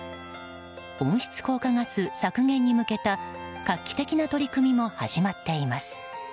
温室効果ガス削減に向けた画期的な取り組みも始まっています。